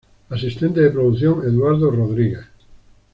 Asistente de producción: Eduardo Rodríguez.